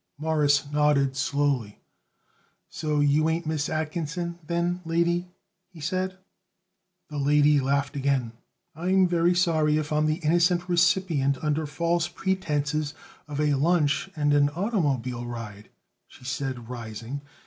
Morris nodded slowly. "So you ain't Miss Atkinson, then, lady?" he said. The lady laughed again. "I'm very sorry if I'm the innocent recipient under false pretenses of a lunch and an automobile ride," she said, rising.